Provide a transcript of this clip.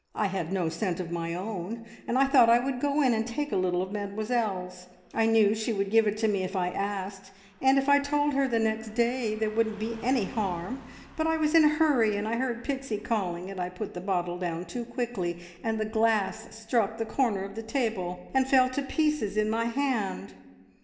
I had no scent of my own, and I thought I would go in and take a little of Mademoiselle's. I knew she would give it to me if I asked, and if I told her next day there wouldn't be any harm. But I was in a hurry, and I heard Pixie calling, and I put the bottle down too quickly, and the glass struck the corner of the table and fell into pieces in my hand.